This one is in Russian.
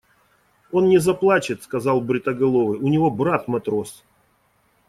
– Он не заплачет, – сказал бритоголовый, – у него брат – матрос.